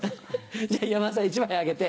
じゃあ山田さん１枚あげて。